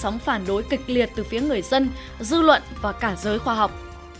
người dân dư luận và cả giới khoa học